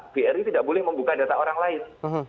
bri tidak boleh membuka data orang lain